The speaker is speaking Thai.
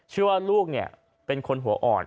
เชื่อว่าลูกเนี่ยเป็นคนหัวอ่อน